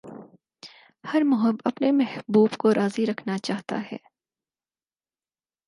ہر محب اپنے محبوب کو راضی رکھنا چاہتا ہے۔